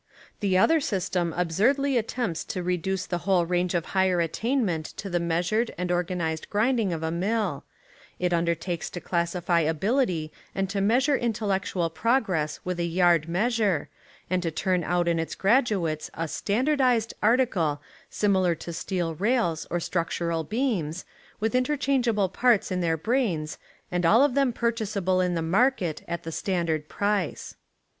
The other system absurdly attempts to reduce the whole range of higher attainment to the measured and organised grinding of a mill: it undertakes to classify ability and to measure Intellectual progress with a yard meas ure, and to turn out in Its graduates a "stand ardised" article similar to steel rails or struc tural beams, with Interchangeable parts In their brains and all of them purchasable in the mar ket at the standard price.